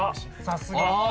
さすがお！